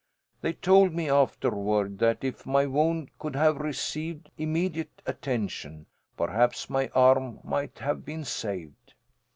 They told me afterward that, if my wound could have received immediate attention, perhaps my arm might have been saved.